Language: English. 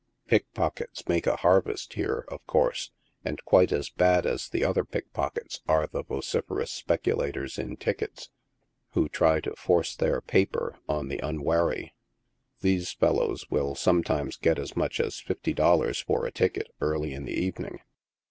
Pickpockets make a harvest here, of course, and quite as bad as the other pickpockets are the vociferous speculators in tickets, who try to force their " paper" on the unwary. These fellows will some times get as much as fifsy dollars for a ticket, early in the evening.